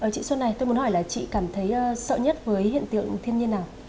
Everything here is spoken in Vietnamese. chị xuân này tôi muốn hỏi là chị cảm thấy sợ nhất với hiện tượng thiên nhiên nào